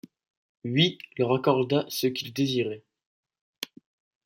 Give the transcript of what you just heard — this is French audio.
Yhi leur accorda ce qu'ils désiraient.